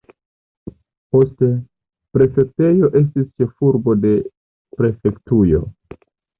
Poste, prefektejo estis ĉefurbo de prefektujo.